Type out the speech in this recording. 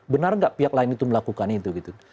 benar tidak pihak lain itu melakukan itu